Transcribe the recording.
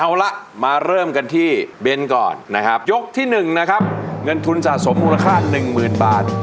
เอาละมาเริ่มกันที่เบนก่อนนะครับยกที่๑นะครับเงินทุนสะสมมูลค่าหนึ่งหมื่นบาท